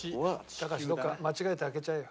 高橋どこか間違えて開けちゃえよ。